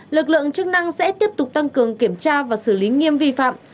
lực lượng chức năng sẽ tiếp tục tăng cường kiểm tra và xử lý nghiêm vi phạm